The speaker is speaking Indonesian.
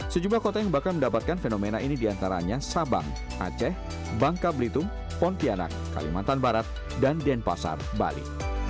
sejumlah kota yang bakal mendapatkan fenomena ini di antaranya sabang aceh bangka blitum pontianak kalimantan barat dan denpasar bali